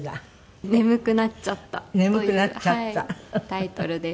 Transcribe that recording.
タイトルです。